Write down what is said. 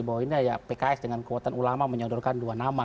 bahwa ini ya pks dengan kekuatan ulama menyodorkan dua nama